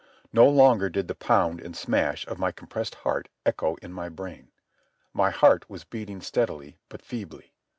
No longer did the pound and smash of my compressed heart echo in my brain. My heart was beating steadily but feebly.